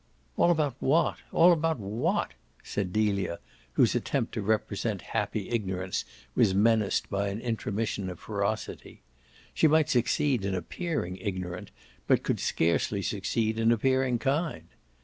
"All about what? all about what?" said Delia, whose attempt to represent happy ignorance was menaced by an intromission of ferocity. She might succeed in appearing ignorant, but could scarcely succeed in appearing kind.